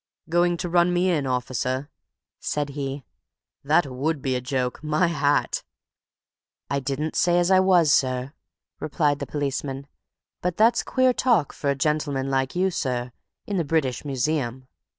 "Going to run me in, officer?" said he. "That would be a joke—my hat!" "I didn't say as I was, sir," replied the policeman. "But that's queer talk for a gentleman like you, sir, in the British Museum!"